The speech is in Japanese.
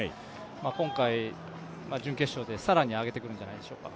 今回、準決勝で更にあげてくるんじゃないでしょうか。